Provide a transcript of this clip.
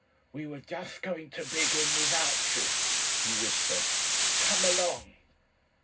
"We were just going to begin without you," he whispered. "Come along."